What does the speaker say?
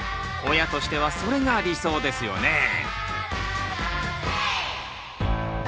親としてはそれが理想ですよね。